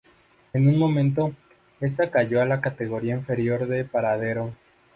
En un momento esta cayó a la categoría inferior de paradero.